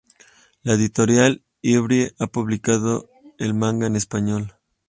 La editorial Ivrea ha publicado el manga en español.